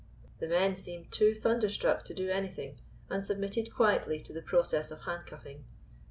The men seemed too thunderstruck to do anything, and submitted quietly to the process of handcuffing.